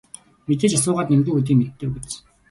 Мэдээж асуугаад нэмэргүй гэдгийг нь мэддэг биз.